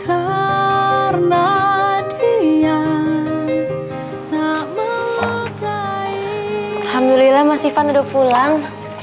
alhamdulillah mas ivan udah pulang